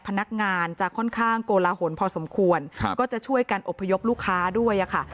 พนักงานจะค่อนข้างโกลาหลพอสมควรครับก็จะช่วยกันอบพยพลูกค้าด้วยอะค่ะ